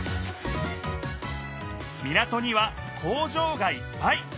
港には工場がいっぱい！